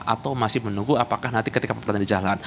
atau masih menunggu apakah nanti ketika pemerintahan di jalan